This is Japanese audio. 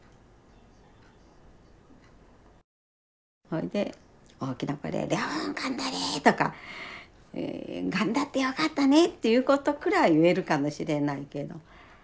ほんで大きな声で「麗桜頑張れ！」とか「頑張ってよかったね！」っていうことくらい言えるかもしれないけど。